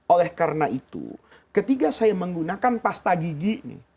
oleh karena itu ketika saya menggunakan pasta gigi